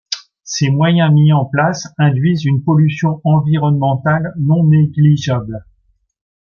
Ces moyens mis en place induisent une pollution environnementale non négligeable.